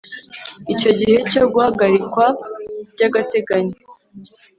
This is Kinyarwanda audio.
Iyo igihe cyo guhagarikwa by agateganyo